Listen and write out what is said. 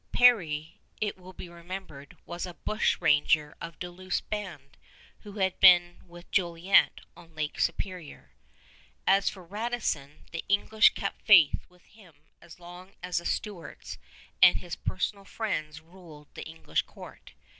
Peré, it will be remembered, was a bushranger of Duluth's band, who had been with Jolliet on Lake Superior. As for Radisson, the English kept faith with him as long as the Stuarts and his personal friends ruled the English court.